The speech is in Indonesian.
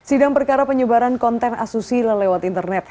sidang perkara penyebaran konten asusi lelewat internet